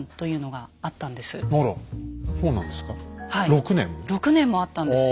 ６年もあったんですよ。